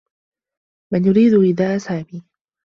من يريد إيذاء سامي؟